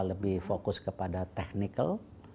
lebih fokus kepada technical